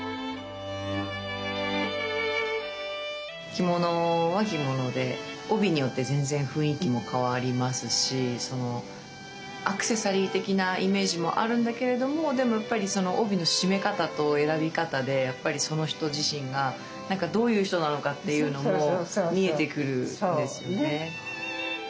着物は着物で帯によって全然雰囲気も変わりますしアクセサリー的なイメージもあるんだけれどもでもやっぱりその帯の締め方と選び方でその人自身がどういう人なのかっていうのも見えてくるんですよね。